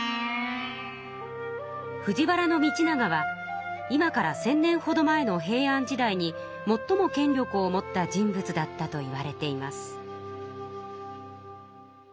藤原道長は今から１，０００年ほど前の平安時代にもっとも権力を持った人物だったといわれています。